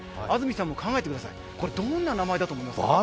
安住さんも考えてください、どんな名前だと思いますか？